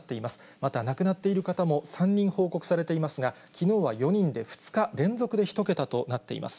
また、亡くなっている方も３人報告されていますが、きのうは４人で、２日連続で１桁となっています。